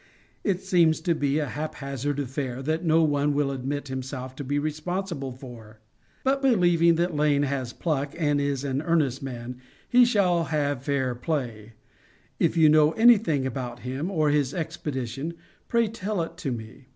It seems to be a haphazard affair that no one will admit himself to be responsible for. But believing that Lane has pluck, and is an earnest man, he shall have fair play. If you know anything about him or his expedition pray tell it to me.